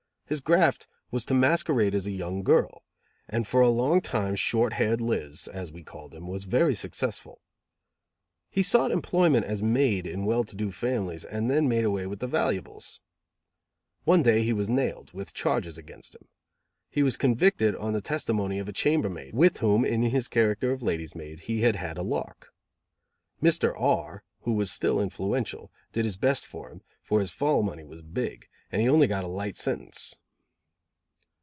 His graft was to masquerade as a young girl, and for a long time Short Haired Liz, as we called him, was very successful. He sought employment as maid in well to do families and then made away with the valuables. One day he was nailed, with twenty charges against him. He was convicted on the testimony of a chamber maid, with whom, in his character of lady's maid, he had had a lark. Mr. R , who was still influential, did his best for him, for his fall money was big, and he only got a light sentence.